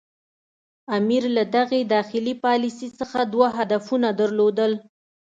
امیر له دغې داخلي پالیسي څخه دوه هدفونه درلودل.